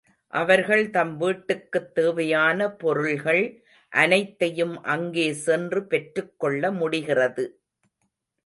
அவர்கள் தம் வீட்டுக்குத் தேவையான பொருள்கள் அனைத்தையும் அங்கே சென்று பெற்றுக் கொள்ள முடிகிறது.